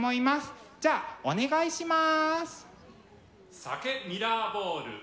じゃあお願いします。